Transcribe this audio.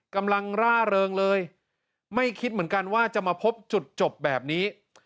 กำลังร่าเริงเลยไม่คิดเหมือนกันว่าจะมาพบจุดจบแบบนี้